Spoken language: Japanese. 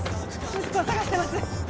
息子を捜してます！